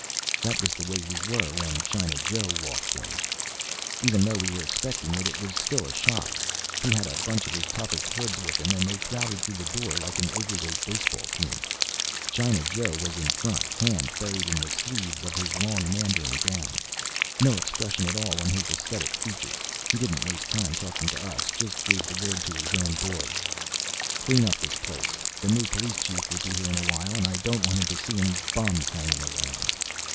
That was the way we were when China Joe walked in. Even though we were expecting it, it was still a shock. He had a bunch of his toughest hoods with him and they crowded through the door like an overweight baseball team. China Joe was in front, hands buried in the sleeves of his long mandarin gown. No expression at all on his ascetic features. He didn't waste time talking to us, just gave the word to his own boys. "Clean this place up. The new police Chief will be here in a while and I don't want him to see any bums hanging around."